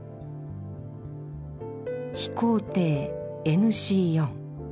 飛行艇ＮＣ−４。